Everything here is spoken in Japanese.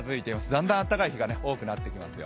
だんだん暖かい日が多くなってきますよ。